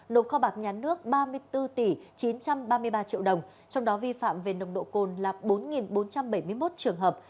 nộp kho bạc nhà nước ba mươi bốn tỷ chín trăm ba mươi ba triệu đồng trong đó vi phạm về nồng độ cồn là bốn bốn trăm bảy mươi một trường hợp